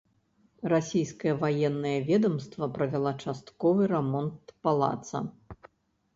Расійскае ваеннае ведамства правяла частковы рамонт палаца.